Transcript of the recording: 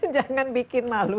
jangan bikin malu